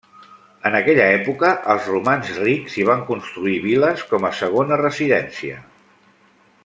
En aquella època els romans rics hi van construir vil·les com a segona residència.